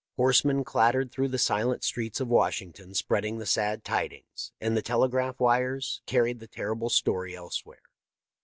Horsemen clattered through the silent streets of Washington, spreading the sad tidings, and the telegraph wires carried the terrible story everywhere.